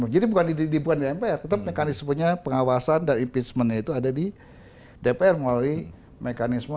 jadi bukan di mpr tetap mekanismenya pengawasan dan impeachment itu ada di dpr melalui mekanisme